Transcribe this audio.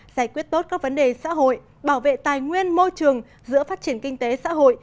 giải quyết tốt các vấn đề xã hội bảo vệ tài nguyên môi trường giữa phát triển kinh tế xã hội